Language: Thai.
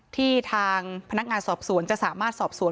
ทางพนักงานสอบสวนจะสามารถสอบสวน